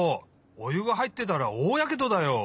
おゆがはいってたらおおやけどだよ！